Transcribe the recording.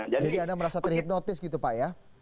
jadi anda merasa terhipnotis gitu pak ya